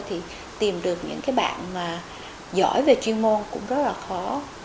thì tìm được những bạn giỏi về chuyên môn cũng rất là khó